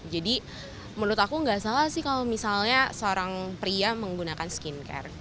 jadi menurut aku gak salah sih kalau misalnya seorang pria menggunakan skincare